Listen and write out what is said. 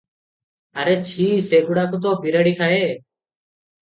ଆରେ ଛି! ସେ ଗୁଡ଼ାକ ତ ବିରାଡ଼ି ଖାଏ ।